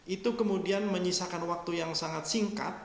itu kemudian menyisakan waktu yang sangat singkat